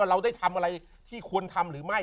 เราได้ทำอะไรที่ควรทำหรือไม่